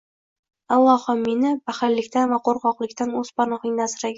Allohim, meni... baxillikdan va qo‘rqoqlikdan... o‘z panohingda asragin!”